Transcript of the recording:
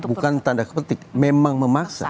bukan tanda kepetik memang memaksa